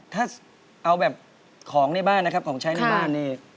ถ้าเอาแบบของในบ้านนะครับของใช้ในบ้านนี่